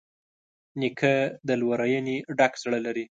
نیکه د لورینې ډک زړه لري.